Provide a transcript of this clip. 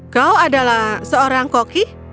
kau adalah seorang koki